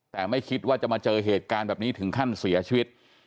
แต่ไม่คิดว่าจะมาเจอเหตุการณ์แบบนี้ถึงขั้นเสียชีวิต